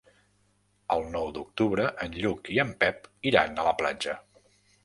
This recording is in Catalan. El nou d'octubre en Lluc i en Pep iran a la platja.